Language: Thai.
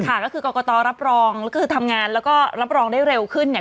ค่ะก็คือกรกตรับรองแล้วคือทำงานแล้วก็รับรองได้เร็วขึ้นเนี่ย